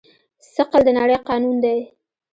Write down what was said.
ثقل د نړۍ قانون دی.